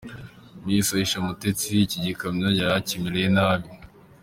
Miss Aisha Mutesi iki gikamyo yari akimereye nabi.